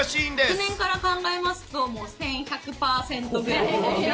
去年から考えますと、１１００％ぐらいの伸び率。